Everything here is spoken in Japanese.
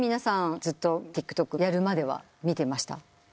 ずっとＴｉｋＴｏｋやるまでは見てました？